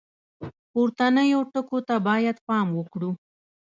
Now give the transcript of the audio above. پورتنیو ټکو ته باید پام وکړو.